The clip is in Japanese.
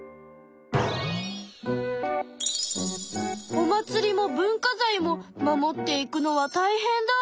お祭りも文化財も守っていくのはたいへんだ！